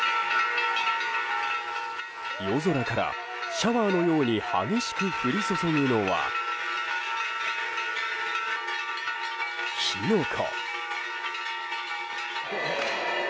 夜空からシャワーのように激しく降り注ぐのは火の粉。